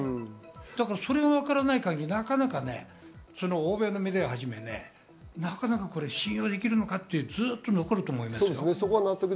それがわからない限り、なかなか欧米のメディアをはじめ、信用できるのかって、ずっと残ると思います。